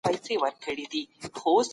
ماشومانو ته د مطالعې زمينه برابره کړئ.